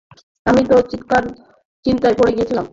আমি তো চিন্তায় পড়ে গিয়েছিলাম।